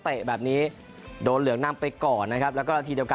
เตะแบบนี้โดนเหลืองนำไปก่อนนะครับแล้วก็นาทีเดียวกัน